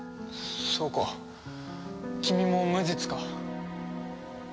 そうか君も無実か。